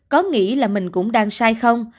có nghĩ là mình cũng đang sai không